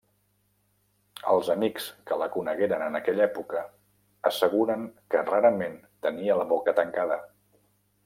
Els amics que la conegueren en aquella època asseguren que rarament tenia la boca tancada.